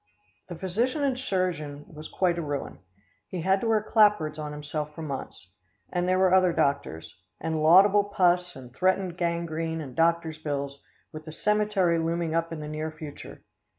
The physician and surgeon was quite a ruin. He had to wear clapboards on himself for months, and there were other doctors, and laudable pus and threatened gangrene and doctors' bills, with the cemetery looming up in the near future.